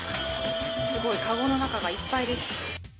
すごい、籠の中がいっぱいです。